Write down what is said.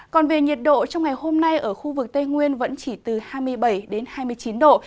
còn về nhiệt độ trong ngày hôm nay ở khu vực tây nguyên vẫn chỉ từ hai mươi bảy đến hai mươi chín độ